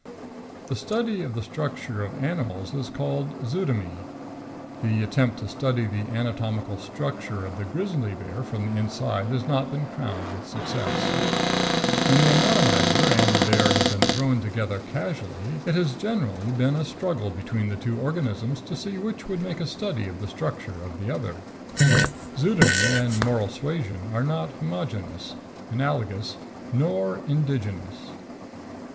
The study of the structure of animals is called zootomy. The attempt to study the anatomical structure of the grizzly bear from the inside has not been crowned with success. When the anatomizer and the bear have been thrown together casually, it has generally been a struggle between the two organisms to see which would make a study of the structure of the other. Zootomy and moral suasion are not homogeneous, analogous, nor indigenous.